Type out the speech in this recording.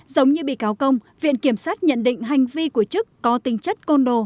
giống như bị cáo công viện kiểm sát nhận định hành vi của trức có tính chất côn đồ